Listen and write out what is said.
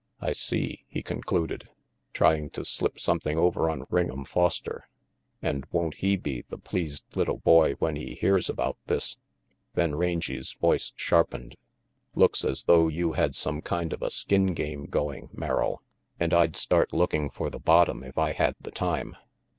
"I see," he concluded. "Trying to slip something over on Ring'em Foster. And won't he be the pleased little boy when he hears about this?" Then Rangy's voice sharpened. "Looks as thougli you had some kind of a skin game going, Merrill, and I'd start looking for the bottom if I had the time.